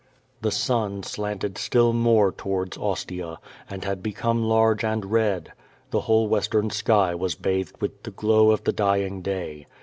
The sun slanted still more towards Ostia, and had become large and red. The whole western sky was bathed with the glow of the dying day.